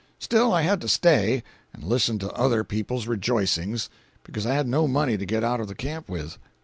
Still I had to stay, and listen to other people's rejoicings, because I had no money to get out of the camp with.